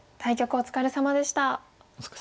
お疲れさまでした。